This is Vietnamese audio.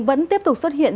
vẫn tiếp tục xuất hiện